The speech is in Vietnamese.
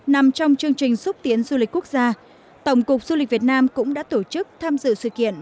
nằm trong chương trình xúc tiến du lịch quốc gia tổng cục du lịch việt nam cũng đã tổ chức tham dự sự kiện